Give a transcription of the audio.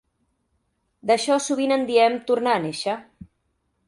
D'això sovint en diem "tornar a néixer".